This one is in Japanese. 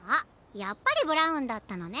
やっぱりブラウンだったのね。